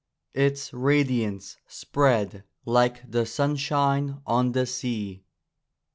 Its radiance spread like the sunshine on the sea.